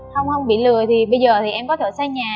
không bị lừa thì bây giờ thì em có thể xây nhà